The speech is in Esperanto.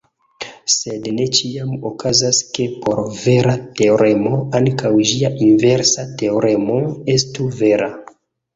Sed ne ĉiam okazas, ke por vera teoremo ankaŭ ĝia inversa teoremo estu vera.